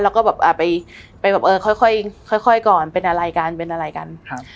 แล้วก็ไปค่อยก่อนเป็นอะไรกันเป็นอะไรกัน